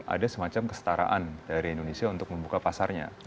ada semacam kestaraan dari indonesia untuk membuka pasarnya